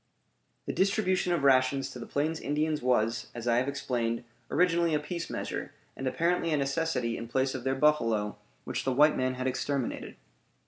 The distribution of rations to the Plains Indians was, as I have explained, originally a peace measure, and apparently a necessity in place of their buffalo which the white man had exterminated.